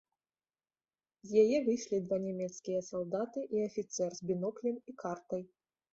З яе выйшлі два нямецкія салдаты і афіцэр з біноклем і картай.